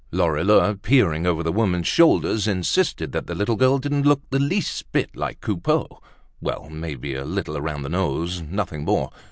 Lorilleux, peering over the women's shoulders, insisted that the little girl didn't look the least bit like Coupeau. Well, maybe a little around the nose, nothing more.